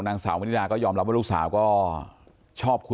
แต่งโตดีแต่ว่าแต่งโต